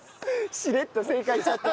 しれっと正解しちゃった。